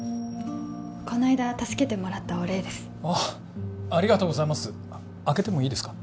この間助けてもらったお礼ですあありがとうございます開けてもいいですか？